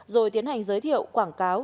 rồi tiến hành giới thiệu quảng cáo